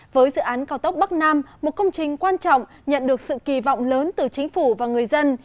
với dự án cao tốc bắc nam một công trình quan trọng nhận được sự kỳ vọng lớn từ chính phủ và người dân